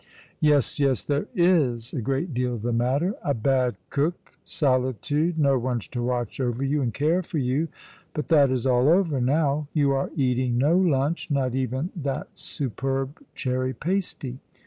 " Yes, yes, there is a great deal the matter. A bad cook, solitude, no one to watch over you and care for you. But that is all over now. You are eating no lunch — not even that superb cherry pasty.